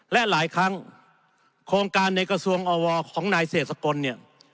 และหลายครั้งโครงการในกระทรวงอวของนายเศรษฐกลเนี่ย